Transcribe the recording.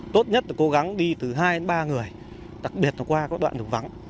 tốt nhất là cố gắng đi từ hai đến ba người đặc biệt là qua các đoạn đường vắng